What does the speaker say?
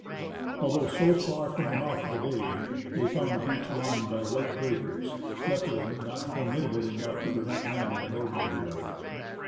Although so far from the mouth of the bay, they found the beach lined by white breakers, luckily not formidable enough to prevent landing in ordinary weather.